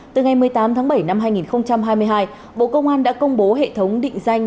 từ ngày một mươi tám tháng bảy năm hai nghìn hai mươi hai bộ công an đã công bố hệ thống định danh